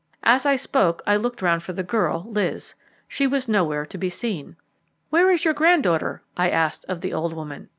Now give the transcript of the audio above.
As I spoke I looked round for the girl, Liz. She was nowhere to be seen. "Where is your grand daughter?" I asked of the old woman.